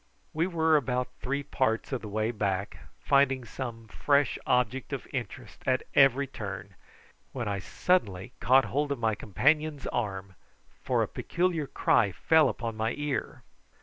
We were about three parts of the way back, finding some fresh object of interest at every turn, when I suddenly caught hold of my companion's arm, for a peculiar cry fell upon my ear.